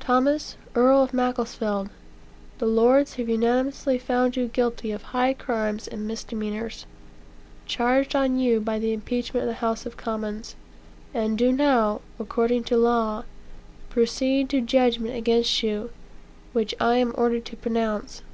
"Thomas, Earl of Macclesfielg, the Lords have unanimously found you guilty of high crimes and misdemeanors, charged on you by the impeachment of the House of Commons, and do now, according to law, proceed to judgment against you, which I am ordered to pronounce.